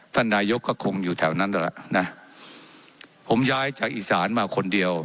ท่านนายกก็คงอยู่แถวนั้นแหละนะผมย้ายจากอีสานมาคนเดียว